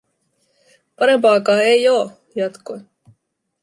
"Parempaakaa ei oo", jatkoin.